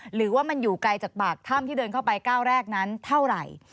หรือว่ามันอยู่ไกลจากปากถ้ำที่เดินเข้าไปก้าวแรกนั้นเท่าไหร่